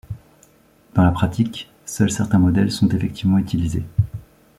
Dans la pratique, seuls certains modèles sont effectivement utilisés.